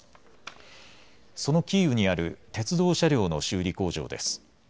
そのキーウにある鉄道車両の修理工場です。